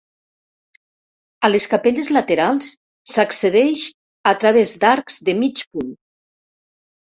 A les capelles laterals, s'accedeix a través d'arcs de mig punt.